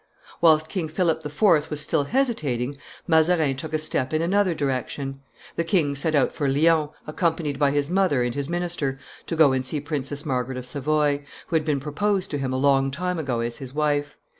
Whilst King Philip IV. was still hesitating, Mazarin took a step in another direction; the king set out for Lyons, accompanied by his mother and his minister, to go and see Princess Margaret of Savoy, who had been proposed to him a long time ago as his wife.